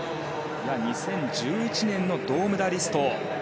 ２０１１年の銅メダリスト。